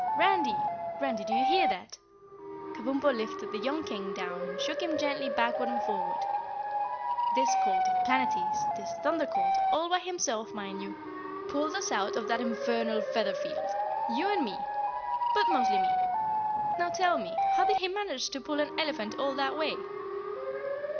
"Randy! Randy, do you hear that?" Kabumpo lifted the young King down and shook him gently backward and forward. "This colt of Planetty's, this Thunder Colt, all by himself, mind you, pulled us out of that infernal feather field! You and me, but mostly me. Now tell me how did he manage to pull an elephant all that way?"